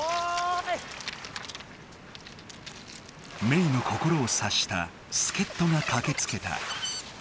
メイの心をさっしたすけっとがかけつけた。